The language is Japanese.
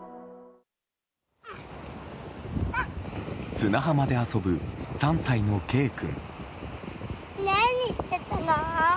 砂浜で遊ぶ３歳のＫ君。